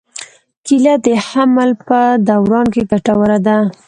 کېله د حمل په دوران کې ګټوره ده.